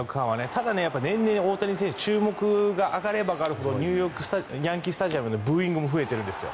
ただ、年々、大谷選手注目が上がれば上がるほどヤンキー・スタジアムのブーイングも増えてるんですよ。